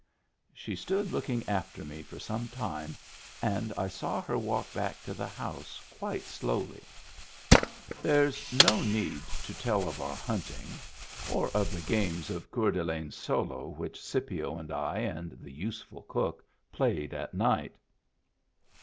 She stood looking after me for some time and I saw her walk back to the house quite slowly. There's no need to tell of our hunting, or of the games of Coeur d'Alene Solo which Scipio and I and the useful cook played at night.